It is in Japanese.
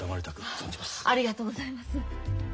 ありがとうございます。